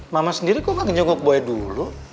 mama sendiri kok gak ngejenguk boy dulu